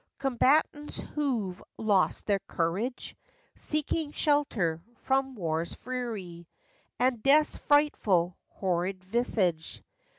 — Combatants who 've lost their courage, Seeking shelter from war's fury, And death's frightful, horrid visage.